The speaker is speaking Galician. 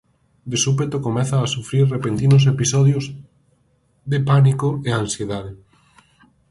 De súpeto comeza a sufrir repentinos episodios de pánico e ansiedade.